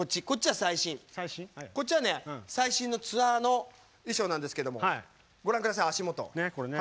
こっちは最新のツアーの衣装なんですけどもご覧ください、足元。